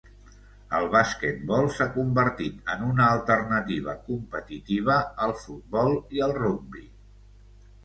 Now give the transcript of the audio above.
El basquetbol s'ha convertit en una alternativa competitiva al futbol i al rugbi.